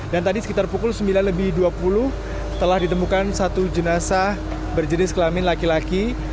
dan tadi sekitar pukul sembilan lebih dua puluh telah ditemukan satu jenazah berjenis kelamin laki laki